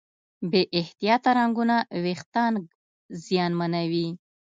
بې احتیاطه رنګونه وېښتيان زیانمنوي.